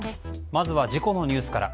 まずは事故のニュースから。